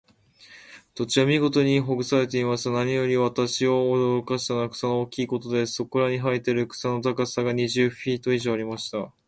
土地は見事に耕されていますが、何より私を驚かしたのは、草の大きいことです。そこらに生えている草の高さが、二十フィート以上ありました。